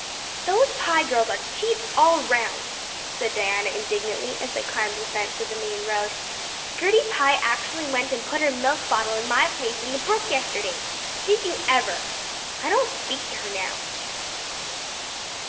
"Those Pye girls are cheats all round," said Diana indignantly, as they climbed the fence of the main road. "Gertie Pye actually went and put her milk bottle in my place in the brook yesterday. Did you ever? I don't speak to her now."